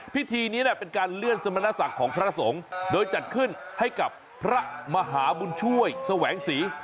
พิธีนี้เป็นการเลื่อนสมณศักดิ์ของพระสงฆ์โดยจัดขึ้นให้กับพระมหาบุญช่วยแสวงศรี